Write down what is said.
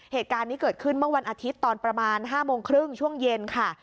เหตุการณ์นี้เกิดขึ้นเมื่อวันอาทิตย์ตอนประมาณ๕โมงครึ่งช่วงเย็นค่ะ